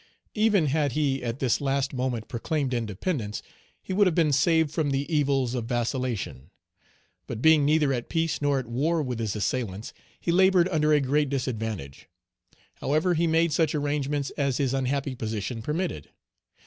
Even had he at this last moment proclaimed independence, he would have been saved from the evils of vacillation. But being neither at peace nor at war with his assailants, he labored under a great disadvantage. However, he made such arrangements as his unhappy position permitted.